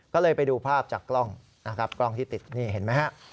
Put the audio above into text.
ก็เลยไปดูภาพจากกล้องนะครับกล้องที่ติดนี่เห็นไหมฮะ